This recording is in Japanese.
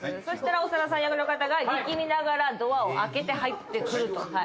そしたら長田さん役の方が力みながらドアを開けて入ってくると。